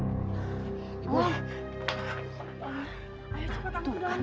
ayo cepetan sudah